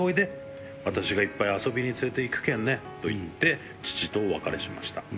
私がいっぱい遊びに連れていくけんねと言って父とお別れしました。